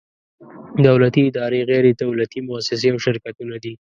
دولتي ادارې، غیر دولتي مؤسسې او شرکتونه دي.